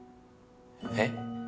えっ？